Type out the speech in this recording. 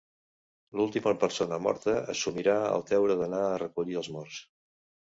L'última persona morta assumirà el deure d'anar a recollir els morts.